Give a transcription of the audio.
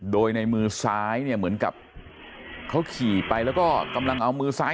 โดยในมือซ้ายเนี่ยเหมือนกับเขาขี่ไปแล้วก็กำลังเอามือซ้าย